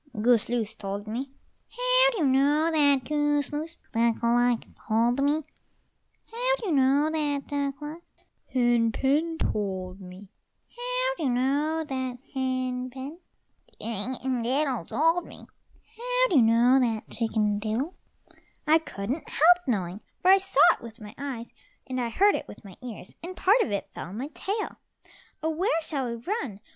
"Goose loose told me." "How do you know that, Goose loose?" "Duck luck told me." "How do you know that, Duck luck?" "Hen pen told me." "How do you know that, Hen pen?" "Chicken diddle told me." "How do you know that, Chicken diddle?" "I couldn't help knowing, for I saw it with my eyes, and I heard it with my ears, and part of it fell on my tail. Oh, where shall we run?